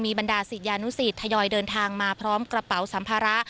บรรดาศิษยานุสิตทยอยเดินทางมาพร้อมกระเป๋าสัมภาระ